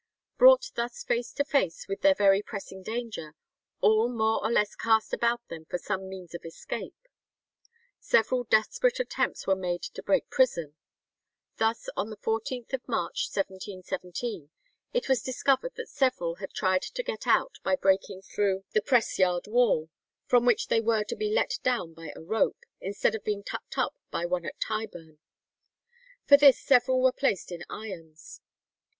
Brought thus face to face with their very pressing danger, all more or less cast about them for some means of escape. Several desperate attempts were made to break prison. Thus on the 14th March, 1717, it was discovered that several had tried to get out by breaking through the press yard wall, "from which they were to be let down by a rope, instead of being tucked up by one at Tyburn." For this several were placed in irons.